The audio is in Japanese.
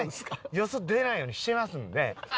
よそ出ないようにしてますんで。